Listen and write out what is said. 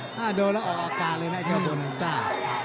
โอ้โหโดยแล้วออกอาการเลยนะเจ้าโบราณซ่า